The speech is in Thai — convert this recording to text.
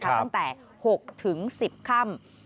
ตั้งแต่๖๑๐ค่ำ